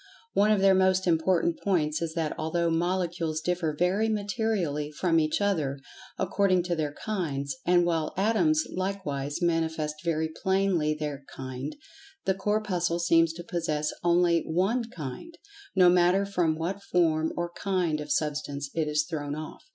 One of their most important points is that although Molecules differ very materially from each other, according to their kinds; and while Atoms likewise manifest very plainly their "kind," the Corpuscle seems to possess only one "kind," no matter from what form or "kind" of Substance it is thrown off.